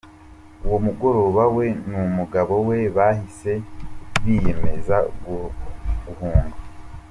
Uwo mugoroba we n’umugabo we bahise biyemeza guhunga.